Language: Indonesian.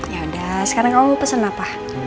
yaudah sekarang kamu pesen apa